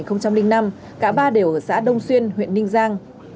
trong linh năm cả ba đều ở xã đông xuyên huyện ninh giang